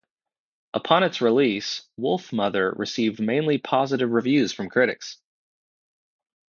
Upon its release, "Wolfmother" received mainly positive reviews from critics.